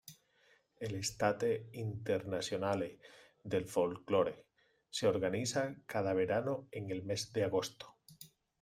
El "Estate Internazionale del Folklore" se organiza cada verano en el mes de agosto.